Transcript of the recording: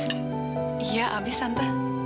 iya abis tante